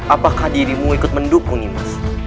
apakah dirimu ikut mendukung nih mas